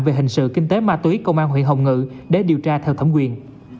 về hình sự kinh tế ma túy công an huyện hồng ngự để điều tra theo thẩm quyền